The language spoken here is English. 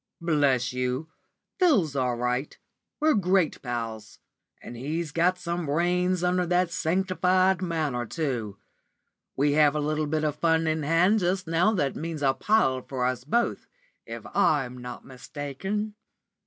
"Bless you, Phil's all right. We're great pals. And he's got some brains under that sanctified manner, too. We have a little bit of fun in hand just now that means a pile for us both, if I'm not mistaken."